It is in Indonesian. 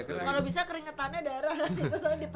kalau bisa keringetannya darah